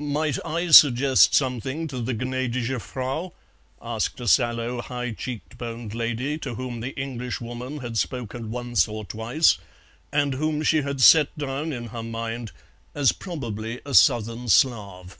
"Might I suggest something to the Gnädige Frau?" asked a sallow high cheek boned lady to whom the Englishwoman had spoken once or twice, and whom she had set down in her mind as probably a Southern Slav.